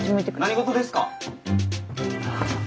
何事ですか？